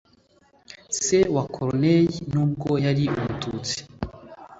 se wa corneille, nubwo yari umututsi,